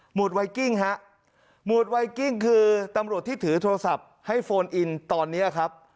วดไวกิ้งฮะหมวดไวกิ้งคือตำรวจที่ถือโทรศัพท์ให้โฟนอินตอนนี้ครับ